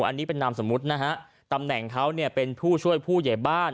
อันนี้เป็นนามสมมุตินะฮะตำแหน่งเขาเนี่ยเป็นผู้ช่วยผู้ใหญ่บ้าน